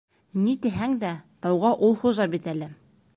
Ни тиһәң дә, тауға ул хужа бит әле.